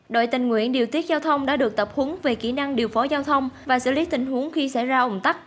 đội tình nguyện điều tiết giao thông đã được tập huấn về kỹ năng điều phối giao thông và xử lý tình huống khi xảy ra ủng tắc